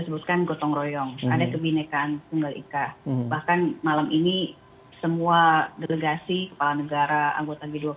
bahkan malam ini semua delegasi kepala negara anggota g dua puluh